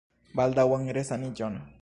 Baldaŭan resaniĝon!